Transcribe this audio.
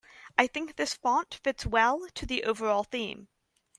I think this font fits well to the overall theme.